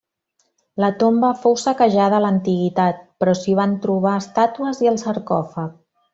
La tomba fou saquejada a l'antiguitat però s'hi van trobar estàtues i el sarcòfag.